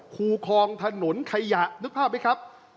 คูครองถนนไข่หยะ